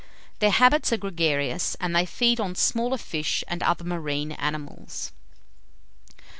Their habits are gregarious, and they feed on smaller fish and other marine animals.